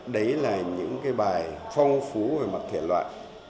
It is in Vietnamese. đấy là những cái bài phong phú về mặt thể loại